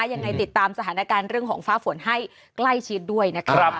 ยังไงติดตามสถานการณ์เรื่องของฟ้าฝนให้ใกล้ชิดด้วยนะคะ